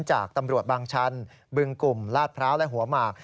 จากตำรวจบางชันบึงกลุ่มลาดพร้าวและหัวหมาก